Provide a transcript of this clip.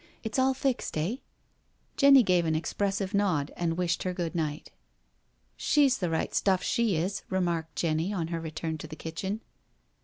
" It's all fixed, eh?" Jenny gave an expressive nod and wished her good night. " She's the right stuff, she is," remarked Jenny on her return to the kitchen.